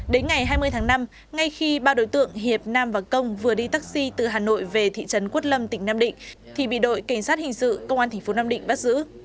đến ngày hai mươi tháng năm ngay khi ba đối tượng hiệp nam và công vừa đi taxi từ hà nội về thị trấn quất lâm tỉnh nam định thì bị đội cảnh sát hình sự công an tp nam định bắt giữ